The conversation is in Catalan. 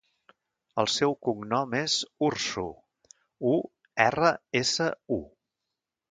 El seu cognom és Ursu: u, erra, essa, u.